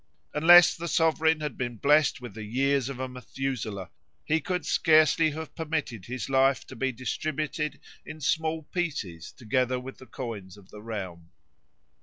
Unless the sovereign had been blessed with the years of a Methusaleh he could scarcely have permitted his life to be distributed in small pieces together with the coins of the realm."